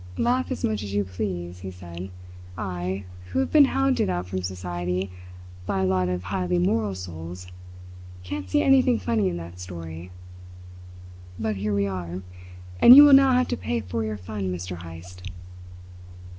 "Laugh as much as you please," he said. "I, who have been hounded out from society by a lot of highly moral souls, can't see anything funny in that story. But here we are, and you will now have to pay for your fun, Mr. Heyst."